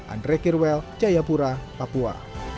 andre kirwel jayapura papua